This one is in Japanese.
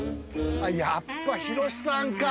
やっぱヒロシさんか。